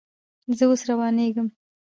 زه اوس روانېږم